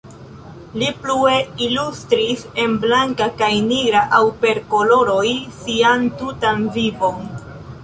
Li plue ilustris en blanka kaj nigra aŭ per koloroj sian tutan vivon.